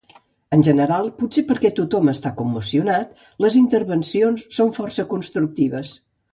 En general, potser perquè tothom està commocionat, les intervencions són força constructives.